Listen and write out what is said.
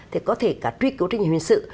thì có thể cả truy cứu trách nhiệm huyền sự